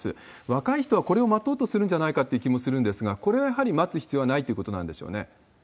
若い人はこれを待とうとするんじゃないかという気もするんですが、これはやはり待つ必要はないということなんでしょうね。